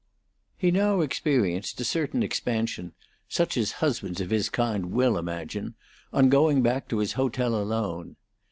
He now experienced a certain expansion, such as husbands of his kind will imagine, on going back to his hotel alone.